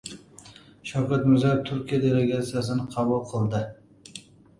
Shavkat Mirziyoev Turkiya delegatsiyasini qabul qildi